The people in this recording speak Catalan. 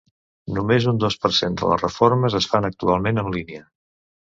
Només un dos per cent de les reformes es fan actualment en línia.